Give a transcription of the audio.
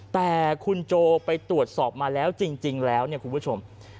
แต่คุณโจไปตรวจสอบมาแล้วจริงแล้วเนี่ยคุณผู้ชม